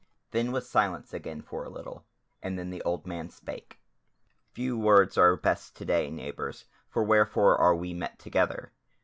Then was silence again for a little, and then the old man spake: "Few words are best to day, neighbours; for wherefore are we met together?"